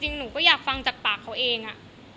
หนูก็อยากฟังจากปากเขาเองอะ